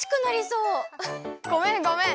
ごめんごめん！